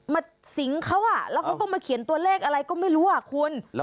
สิงเขาแล้วเขาก็มาเขียนตัวเลขอะไรก็ไม่รู้อ่ะคุณ